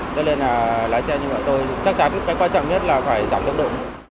cho nên là lái xe như vậy tôi chắc chắn cái quan trọng nhất là phải giảm tốc độ